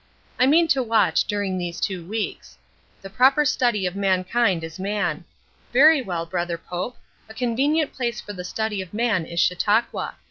I mean to watch during these two weeks. 'The proper study of mankind is man.' Very well, Brother Pope, a convenient place for the study of man is Chautauqua.